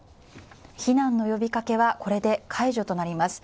避難の呼びかけはこれで解除となります。